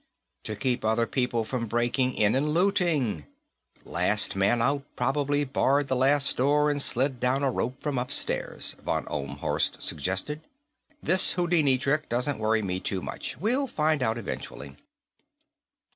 "To keep other people from breaking in and looting. Last man out probably barred the last door and slid down a rope from upstairs," von Ohlmhorst suggested. "This Houdini trick doesn't worry me too much. We'll find out eventually."